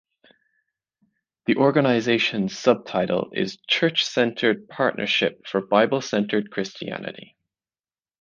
The organisation's subtitle is "Church-centred Partnership for Bible-centred Christianity".